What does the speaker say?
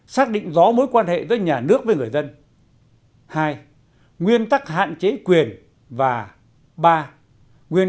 xác định rõ mối quan hệ giữa nhà nước với người dân hai nguyên tắc hạn chế quyền và ba nguyên